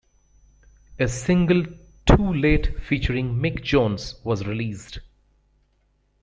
A single "Too Late" featuring Mick Jones was released.